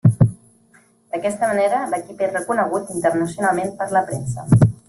D'aquesta manera, l'equip és reconegut internacionalment per la premsa.